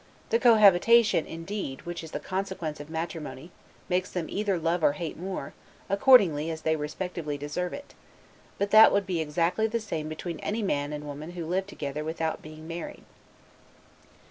The cohabitation, indeed, which is the consequence of matrimony, makes them either love or hate more, accordingly as they respectively deserve it; but that would be exactly the same between any man and woman who lived together without being married.